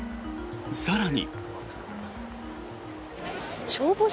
更に。